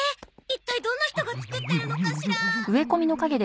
一体どんな人が作ってるのかしら？